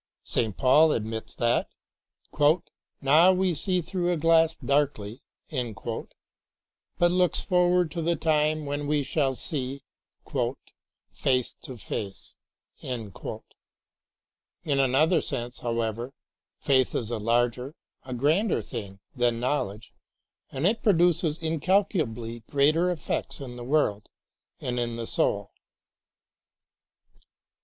St. Paul admits that "Now w^e see through a glass, darkly," but looks forward to the time when we shall see *'face to face." In another sense, how ever, faith is a larger, a grander thing than knowledge, and it produces incalculably greater effects in the world and in the soul.